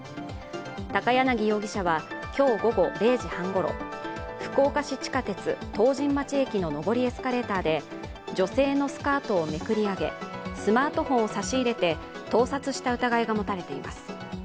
高柳容疑者は今日午後０時半ごろ福岡市地下鉄・唐人町駅の上りエスカレーターで女性のスカートをめくり上げ、スマートフォンを差し入れて盗撮した疑いが持たれています。